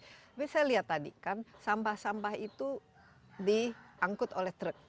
tapi saya lihat tadi kan sampah sampah itu diangkut oleh truk